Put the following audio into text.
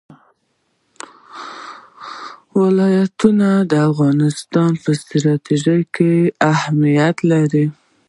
ولایتونه د افغانستان په ستراتیژیک اهمیت کې دي.